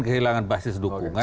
kehilangan basis dukungan